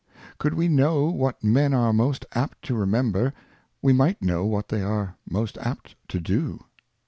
Could we know what Men are most apt to remember, we might know what they are most apt to do.